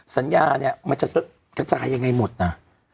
สัญญาเนี่ยมันจะกระจายยังไงหมดนะ